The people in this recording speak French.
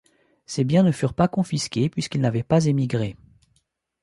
Ses biens ne furent pas confisqués puisqu'il n'avait pas émigré.